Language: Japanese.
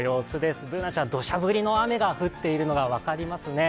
Ｂｏｏｎａちゃん、どしゃ降りの雨が降っているのが分かりますね。